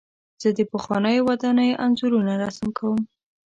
زه د پخوانیو ودانیو انځورونه رسم کوم.